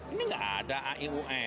ini tidak ada aiue